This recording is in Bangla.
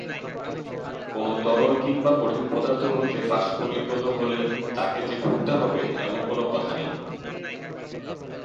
কোন তরল কিংবা কঠিন পদার্থ হতে বাষ্প নির্গত হতে হলে যে তাকে ফুটতে হবে, এমন কোন কথা নেই।